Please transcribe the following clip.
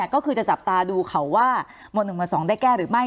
ก็คือจะจับตาดูเขาว่าหมวด๑หมวด๒ได้แก้หรือไม่